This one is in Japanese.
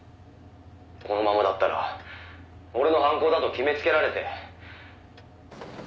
「このままだったら俺の犯行だと決めつけられて」